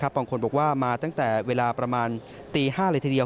บางคนบอกว่ามาตั้งแต่เวลาประมาณตี๕เลยทีเดียว